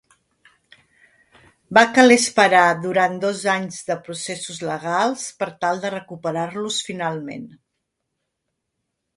Va caler esperar durant dos anys de processos legals per tal de recuperar-los finalment.